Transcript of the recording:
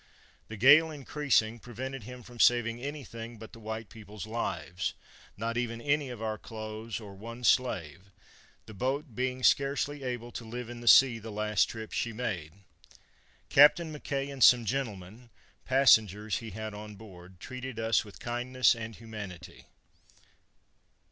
The gale increasing, prevented him from saving any thing but the white people's lives, not even any of our clothes, or one slave, the boat being scarcely able to live in the sea the last trip she made. Capt. Mackay and some gentlemen, passengers he had on board, treated us with kindness and humanity."